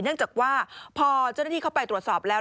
เนื่องจากว่าพอเจ้าหน้าที่เข้าไปตรวจสอบแล้ว